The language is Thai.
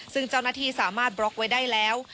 ซึ่งเจ้าหน้าที่สามารถบล็อกไว้ได้แล้ว